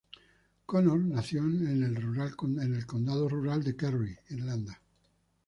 Connor nació en el rural condado de Kerry, Irlanda.